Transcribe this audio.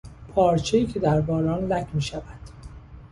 پارچهای که در باران لک میشود